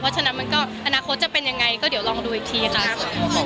มันก็อนาคตจะเป็นยังไงก็เดี๋ยวลองดูอีกทีนะครับ